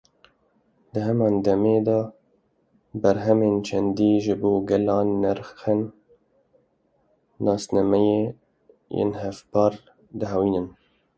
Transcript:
Di heman demê de berhemên çandî ji bo gelan nirxên nasnameyî yên hevpar dihewînin.